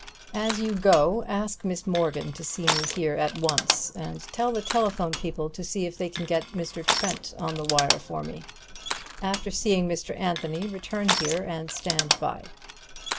As you go, ask Miss Morgan to see me here at once and tell the telephone people to see if they can get Mr. Trent on the wire for me. After seeing Mr. Anthony, return here and stand by."